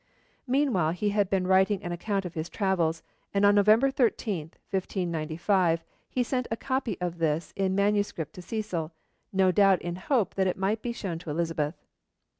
Meanwhile he had been writing an account of his travels, and on November 13, 1595, he sent a copy of this in manuscript to Cecil, no doubt in hope that it might be shown to Elizabeth.